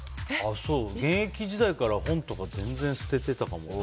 現役時代から本とか全然捨ててたかも。